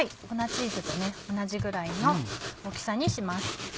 粉チーズと同じぐらいの大きさにします。